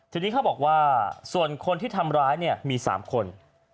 ทีนี้เขาบอกว่าส่วนคนที่ทำร้ายเนี่ยมี๓คน